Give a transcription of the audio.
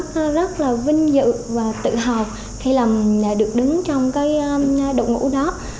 em cảm giác rất là vinh dự và tự hào khi được đứng trong đội ngũ đó